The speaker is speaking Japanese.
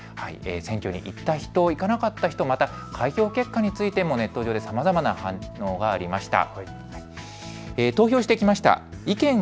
選挙に行った人、行かなかった人、また開票結果についてもネット上でさまざまな反応がありました。